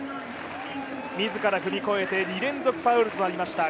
自ら踏み越えて２連続ファウルとなりました。